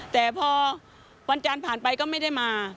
แต่พอวันจันทร์ผ่านไปก็ไม่ได้มา